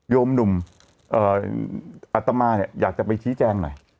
โยมหนุ่มอัตมาเนี่ยอยากจะไปชี้แจงหน่อย